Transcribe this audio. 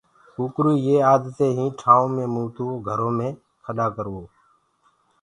ڪوڪروئي يي آدتين هين ٺآئون مي متوو گھرو مي کڏآ ڪروو